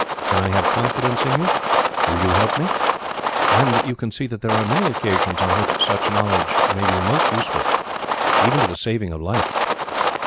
Can I have confidence in you? Will you help me?' and you can see that there are many occasions on which such knowledge may be most useful, even to the saving of life."